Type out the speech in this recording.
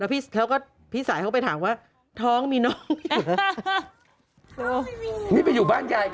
แล้วพี่สายเข้าไปถามว่าท้องมีน้องอยู่